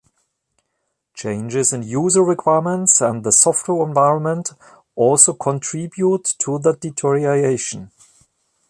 Changes in user requirements and the software environment also contribute to the deterioration.